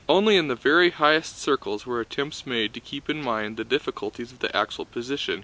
Only in the very highest circles were attempts made to keep in mind the difficulties of the actual position.